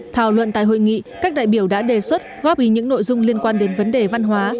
thảo luận tại hội nghị các đại biểu đã đề xuất góp ý những nội dung liên quan đến vấn đề văn hóa